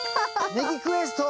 ネギクエスト